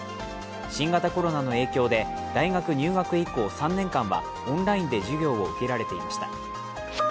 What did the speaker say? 新型コロナの影響で大学入学以降３年間はオンラインで授業を受けられていました。